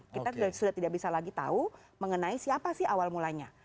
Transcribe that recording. kita sudah tidak bisa lagi tahu mengenai siapa sih awal mulanya